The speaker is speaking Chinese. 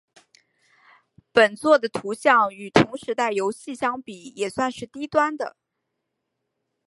本作的图像与同时代游戏相比也算是低端的。